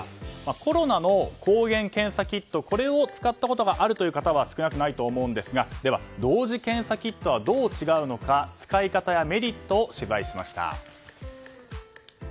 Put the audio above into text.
コロナの抗原検査キットこれを使ったことがあるという方は少なくないと思うんですが同時検査キットはどう違うのか使い方やメリットを取材しました。